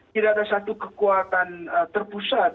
tidak ada satu kekuatan terpusat